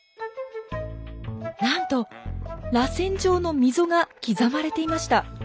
なんとらせん状の溝が刻まれていました。